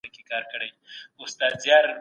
د دعا په پیل کې درود شریف ووایئ.